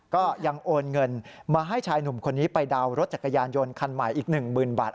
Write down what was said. ก็ยังโอนเงินมาให้ชายหนุ่มคนนี้ไปเดารถจักรยานยนต์คันใหม่อีก๑๐๐๐บาท